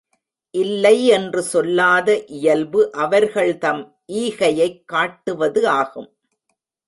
இல்லை என்று சொல்லாத இயல்பு அவர்கள்தம் ஈகையைக் காட்டுவது ஆகும்.